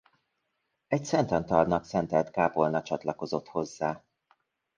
Egy Szent Antalnak szentelt kápolna csatlakozott hozzá.